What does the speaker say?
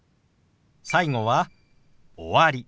最後は「終わり」。